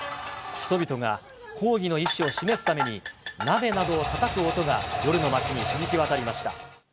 人々が抗議の意思を示すために、鍋などをたたく音が夜の街に響き渡りました。